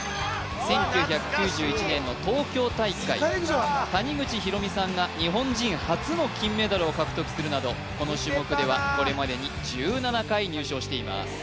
１９９１年の東京大会谷口浩美さんが日本人初の金メダルを獲得するなどこの種目ではこれまでに１７回入賞しています